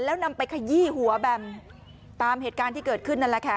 แล้วนำไปขยี้หัวแบมตามเหตุการณ์ที่เกิดขึ้นนั่นแหละค่ะ